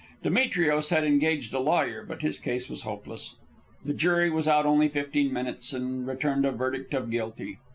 Demetrios had engaged a lawyer, but his case was hopeless. The jury was out only fifteen minutes, and returned a verdict of guilty.